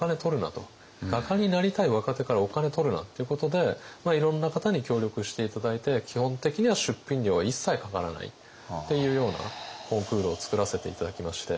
画家になりたい若手からお金取るなっていうことでいろんな方に協力して頂いて基本的には出品料は一切かからないっていうようなコンクールをつくらせて頂きまして。